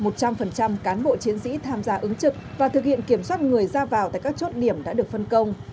một trăm linh cán bộ chiến sĩ tham gia ứng trực và thực hiện kiểm soát người ra vào tại các chốt điểm đã được phân công